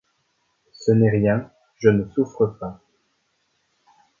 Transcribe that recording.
Ce n'est rien, je ne souffre pas.